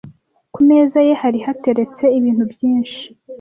ku meza ye hari hateretse ibintu byinshi